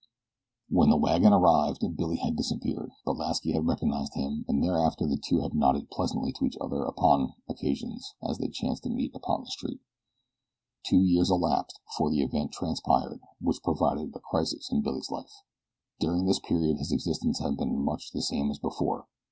When the wagon arrived Billy had disappeared, but Lasky had recognized him and thereafter the two had nodded pleasantly to each other upon such occasions as they chanced to meet upon the street. Two years elapsed before the event transpired which proved a crisis in Billy's life. During this period his existence had been much the same as before.